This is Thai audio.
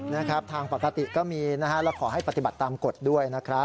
นะครับทางปกติก็มีนะฮะแล้วขอให้ปฏิบัติตามกฎด้วยนะครับ